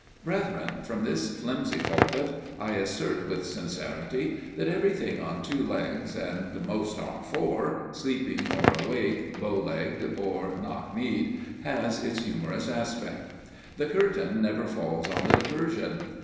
Brethren, from this flimsy pulpit, I assert with sincerity, that everything on two legs (and most on four) sleeping or awake, bow legged or knock kneed, has its humorous aspect. The curtain never falls on the diversion.